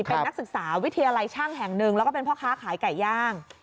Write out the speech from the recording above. เป็นนักศึกษาวิทยาลัยช่างแห่งหนึ่งแล้วก็เป็นพ่อค้าขายไก่ย่าง